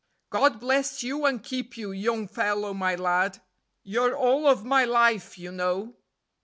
"God bless you and keep you, Young Fellow My Lad, You're all of my life, you know."